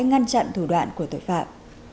ngăn chặn thủ đoạn của tội phạm